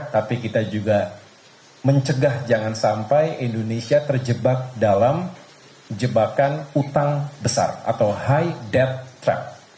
tapi kita juga mencegah jangan sampai indonesia terjebak dalam jebakan utang besar atau high dead trump